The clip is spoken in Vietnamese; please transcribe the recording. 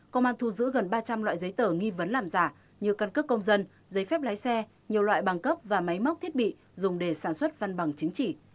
công an thu giữ gần ba trăm linh loại giấy tờ nghi vấn làm giả như căn cước công dân giấy phép lái xe nhiều loại bằng cấp và máy móc thiết bị dùng để sản xuất văn bằng chứng chỉ